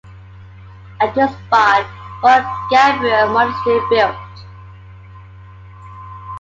At this spot Mor Gabriel Monastery built.